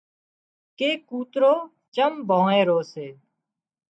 ڪي ڪوترو چم ڀانهي رو سي